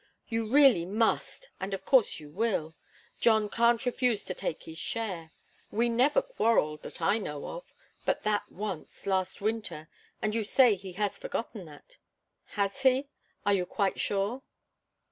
You really must, and of course you will. John can't refuse to take his share. We never quarrelled, that I know of, but that once, last winter, and you say he has forgotten that. Has he? Are you quite sure?"